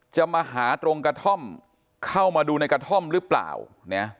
จะมาหาตรงกระท่อมเข้ามาดูในกระท่อมหรือเปล่านะ